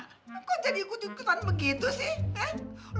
kok jadi ikut ikutan begitu sih